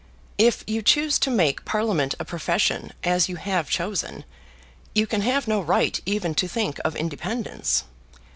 "If you choose to make Parliament a profession, as you have chosen, you can have no right even to think of independence.